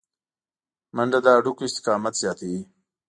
منډه د هډوکو استقامت زیاتوي